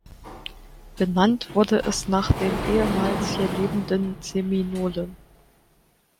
Benannt wurde es nach den ehemals hier lebenden Seminolen.